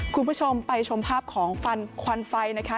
คุณผู้ชมไปชมภาพของฟันควันไฟนะคะ